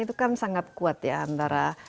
itu kan sangat kuat ya antara